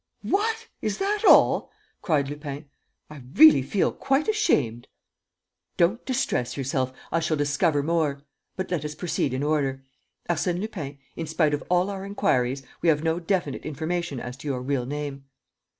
"What! Is that all?" cried Lupin. "I really feel quite ashamed." "Don't distress yourself! I shall discover more. But let us proceed in order. Arsène Lupin, in spite of all our inquiries, we have no definite information as to your real name."